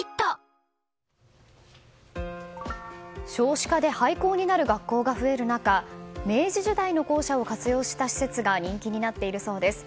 少子化で廃校になる学校が増える中明治時代の校舎を活用した施設が人気になっているそうです。